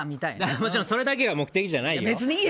もちろんそれだけが目的じゃないよ。